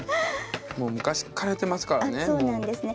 もう昔からやってますからね。